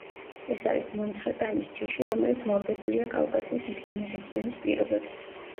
ეს არის მომცრო ტანის ჯიში, რომელიც მორგებულია კავკასიის მთიანი რეგიონის პირობებს.